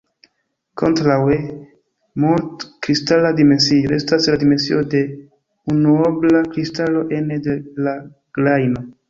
Kontraŭe, "mult-kristala dimensio" estas la dimensio de unuobla kristalo ene de la grajno.